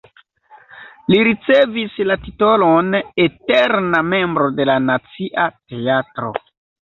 Li ricevis la titolon eterna membro de la Nacia Teatro.